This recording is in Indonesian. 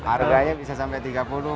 harganya bisa sampai tiga puluh empat puluh